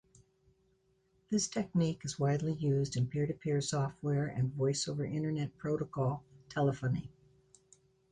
This technique is widely used in peer-to-peer software and Voice over Internet Protocol telephony.